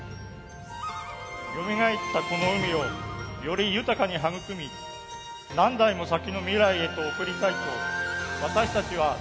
よみがえった、この海をより豊かに育み何代も先の未来へと贈りたいと私たちは切に願っています。